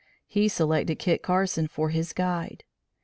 He selected Kit Carson for his guide.